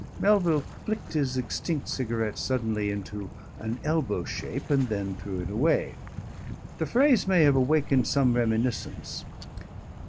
Melville flicked his extinct cigarette suddenly into an elbow shape and then threw it away. The phrase may have awakened some reminiscence.